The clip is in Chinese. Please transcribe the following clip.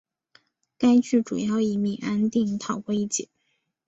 该剧主要以米安定逃过一劫。